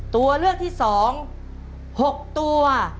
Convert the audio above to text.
ตัวเลือกที่๒๖ตัว